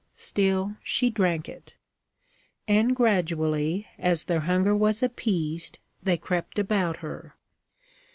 Still, she drank it. And gradually, as their hunger was appeased, they crept about her.